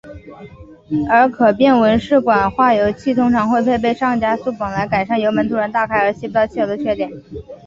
而可变文氏管化油器通常会配备上加速泵来改善油门突然大开而吸不到汽油的缺点。